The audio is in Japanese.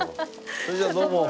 それじゃあどうも。